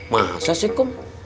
masa sih kok